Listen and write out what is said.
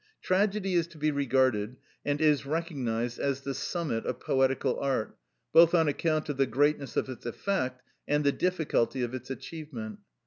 Tragedy is to be regarded, and is recognised as the summit of poetical art, both on account of the greatness of its effect and the difficulty of its achievement.